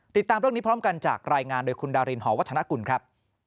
ติดตามเรื่องนี้พร้อมกันจากรายงานโดยคุณดารินหอวัฒนกุลครับ